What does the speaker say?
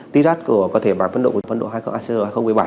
t rat có thể là bảng phân độ của phân độ icr hai nghìn một mươi bảy